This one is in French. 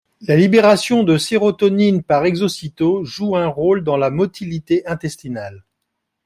La libération de sérotonine par exocytose joue un rôle dans la motilité intestinale.